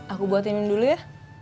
aku buat minum dulu ya